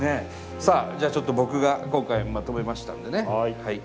さあじゃあちょっと僕が今回まとめましたんでね。